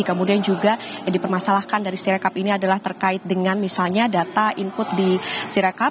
kemudian juga yang dipermasalahkan dari sirekap ini adalah terkait dengan misalnya data input di sirekap